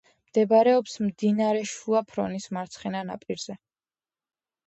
მდებარეობს მდინარე შუა ფრონის მარცხენა ნაპირზე.